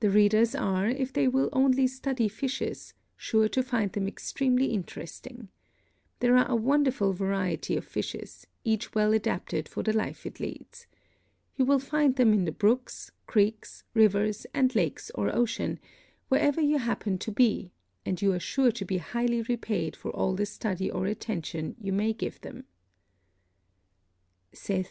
The readers are, if they will only study fishes, sure to find them extremely interesting. There are a wonderful variety of fishes, each well adapted for the life it leads. You will find them in the brooks, creeks, rivers and lakes or ocean, wherever you happen to be, and you are sure to be highly repaid for all the study or attention you may give them. Se